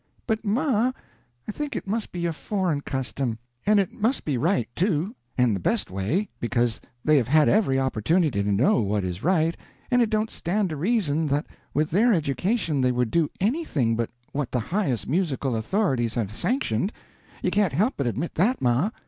"But, ma, I think it must be a foreign custom; and it must be right too; and the best way, because they have had every opportunity to know what is right, and it don't stand to reason that with their education they would do anything but what the highest musical authorities have sanctioned. You can't help but admit that, ma."